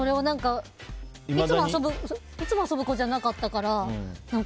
いつも遊ぶ子じゃなかったから。